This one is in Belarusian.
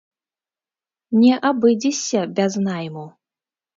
Не абыдзешся без найму.